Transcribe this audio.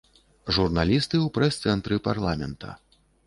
Журналісты ў прэс-цэнтры парламента.